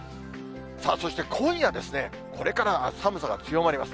そして今夜ですね、これから寒さが強まります。